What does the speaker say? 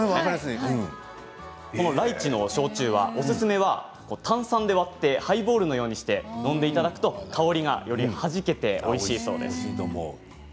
ライチの焼酎はおすすめは炭酸で割ってハイボールのようにして飲んでいただくと香りがよりはじけておいしいそうです。